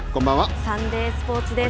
サンデースポーツです。